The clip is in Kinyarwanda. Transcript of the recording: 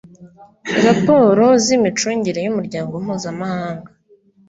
raporo z imicungire y umuryango mpuzamahanga